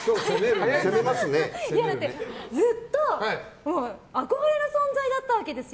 ずっと憧れの存在だったわけですよ。